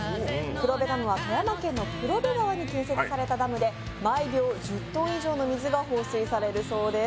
黒部ダムは富山県の黒部川に建設されたダムで毎秒１０ｔ以上の水が放水されるそうです。